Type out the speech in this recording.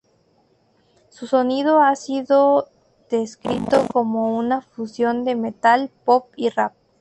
Su sonido ha sido descrito como una fusión de "metal", pop y rap.